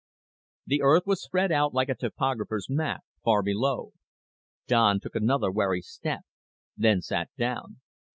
The Earth was spread out like a topographer's map, far below. Don took another wary step, then sat down.